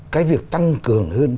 cái việc tăng cường hơn